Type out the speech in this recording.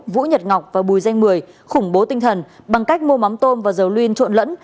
vũ nhật ngọc và bùi danh mười khủng bố tinh thần bằng cách mua mắm tôm và dầu luyên trộn lẫn